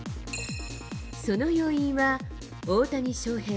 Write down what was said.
その要因は、大谷翔平